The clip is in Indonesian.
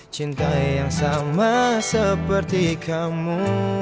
cintai yang sama seperti kamu